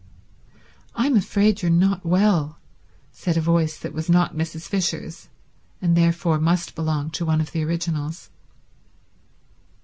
"I'm afraid you're not well," said a voice that was not Mrs. Fisher's, and therefore must belong to one of the originals.